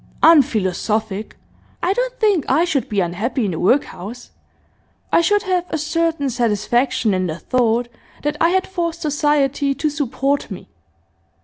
'Unphilosophic. I don't think I should be unhappy in the workhouse. I should have a certain satisfaction in the thought that I had forced society to support me.